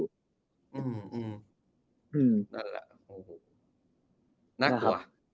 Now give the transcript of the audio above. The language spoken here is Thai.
อืมนั่นแหละ